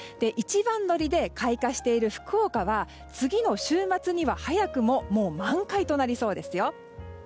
一番乗りで開花している福岡は次の週末には早くももう満開となりそうですよ。